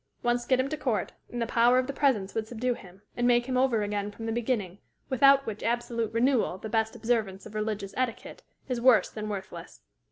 Once get him to court, and the power of the presence would subdue him, and make him over again from the beginning, without which absolute renewal the best observance of religious etiquette is worse than worthless.